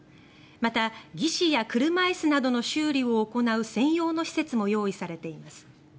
また、義肢や車椅子などの修理を行う専用の施設も用意されています。